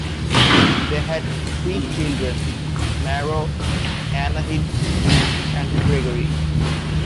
They had three children; Maro, Anahid and Gregory.